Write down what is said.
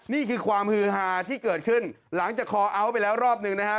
นี่คือความฮือฮาที่เกิดขึ้นหลังจากคอเอาท์ไปแล้วรอบหนึ่งนะฮะ